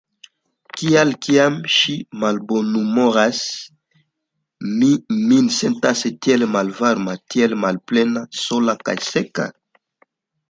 Kial, kiam ŝi malbonhumoras, mi min sentas tiel malvarma, tiel malplena, sola kaj seka?